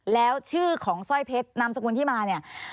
แล้วชื่อของสร้อยเพชรนามสกุลที่มาเนี่ย